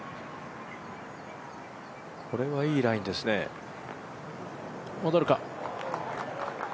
これはいいラインですね、戻るか。